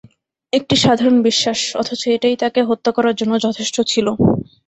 একটি সাধারণ বিশ্বাস, অথচ এটাই তাঁকে হত্যা করার জন্য যথেষ্ট ছিল।